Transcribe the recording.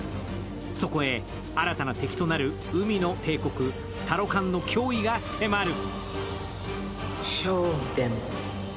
そこへ新たな敵となる海の帝国・タロカンの脅威が迫る。